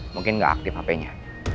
mungkin gak aktif hpnya